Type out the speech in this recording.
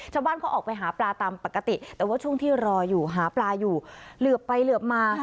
ชาวบ้านเขาออกไปหาปลาตามปกติแต่ว่าช่วงที่รออยู่หาปลาอยู่เหลือบไปเหลือบมา